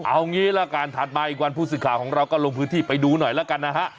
เอางี้ละกันถัดมาอีกวันผู้สื่อข่าวของเราก็ลงพื้นที่ไปดูหน่อยแล้วกันนะฮะ